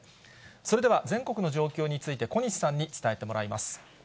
それでは、全国の状況について小西さんに伝えてもらいます。